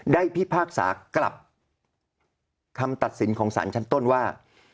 พิพากษากลับคำตัดสินของสารชั้นต้นว่า